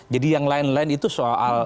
jadi yang lain lain itu soal